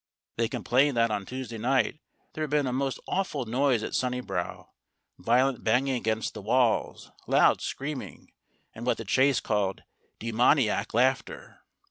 They complained that on Tuesday night there had been a most awful noise at Sunnibrow violent banging against the walls, loud screaming, and what The Chase called "demoniac laughter."